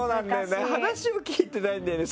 話も聞いてないんだよね